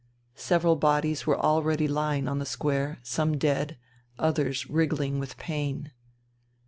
Several bodies were already lying on the square, some dead, others ^vriggling with pain.